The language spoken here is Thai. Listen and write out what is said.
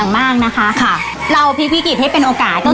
มาขอพรกันค่ะ